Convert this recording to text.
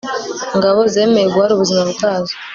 ngabo zemeye guhara ubuzima bwazo